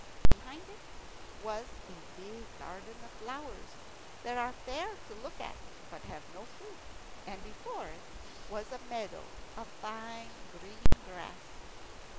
Behind it was a big garden of flowers, that are fair to look at but have no fruit, and before it was a meadow of fine green grass.